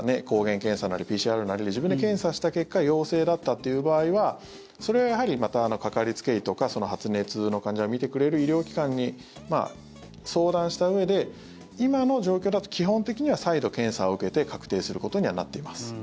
抗原検査なり、ＰＣＲなりで自分で検査した結果陽性だったという場合はそれはやはりまた、かかりつけ医とか発熱の患者を診てくれる医療機関に相談したうえで今の状況だと基本的には再度検査を受けて確定することにはなっています。